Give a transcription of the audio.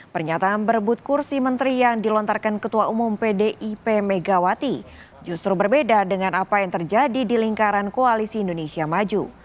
pernyataan berebut kursi menteri yang dilontarkan ketua umum pdip megawati justru berbeda dengan apa yang terjadi di lingkaran koalisi indonesia maju